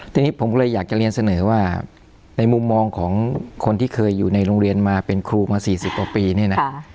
ทีนี้ผมก็เลยอยากจะเรียนเสนอว่าในมุมมองของคนที่เคยอยู่ในโรงเรียนมาเป็นครูมา๔๐กว่าปีเนี่ยนะ